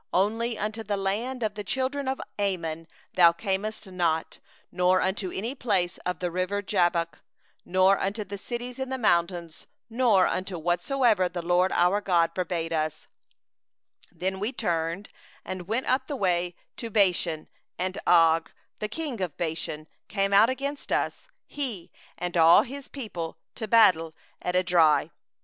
37Only to the land of the children of Ammon thou camest not near; all the side of the river Jabbok, and the cities of the hill country, and wheresoever the LORD our God forbade us. Then we turned, and went up the way to Bashan; and Og the king of Bashan came out against us, he and all his people, unto battle at Edrei.